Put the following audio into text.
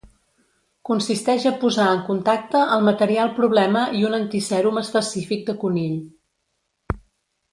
Consisteix a posar en contacte el material problema i un antisèrum específic de conill.